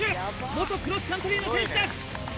元クロスカントリーの選手です。